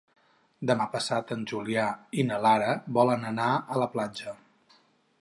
Demà passat en Julià i na Lara volen anar a la platja.